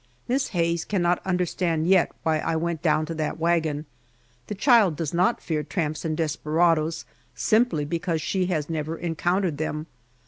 Miss Hayes cannot understand yet why I went down to that wagon. The child does not fear tramps and desperadoes, simply because she has never encountered them.